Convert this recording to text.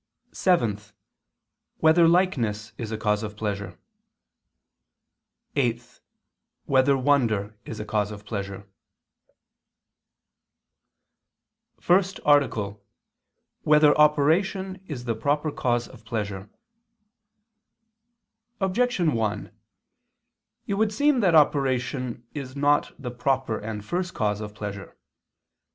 (7) Whether likeness is a cause of pleasure? (8) Whether wonder is a cause of pleasure? ________________________ FIRST ARTICLE [I II, Q. 32, Art. 1] Whether Operation Is the Proper Cause of Pleasure? Objection 1: It would seem that operation is not the proper and first cause of pleasure.